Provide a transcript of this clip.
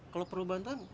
kalau perlu bantuan